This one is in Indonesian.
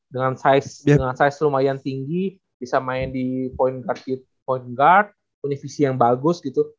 dengan size lumayan tinggi bisa main di point guard univisi yang bagus gitu